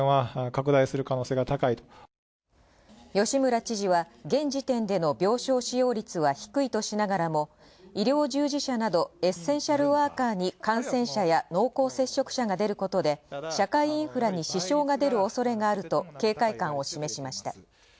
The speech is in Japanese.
吉村知事は現時点での病床使用率は低いとしながらも、医療従事者など、エッセンシャルワーカーに感染者や濃厚接触者が出ることで社会インフラに支障が出る恐れがあると警戒感を示しました。